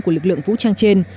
của lực lượng vũ trang trên